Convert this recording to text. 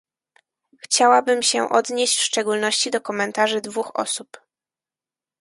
Chciałabym się odnieść w szczególności do komentarzy dwóch osób